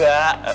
iya ya enggak